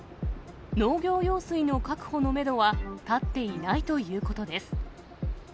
農業用水の確保のメドは立っていないということです。